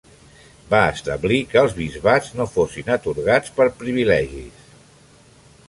Va establir que els bisbats no fossin atorgats per privilegis.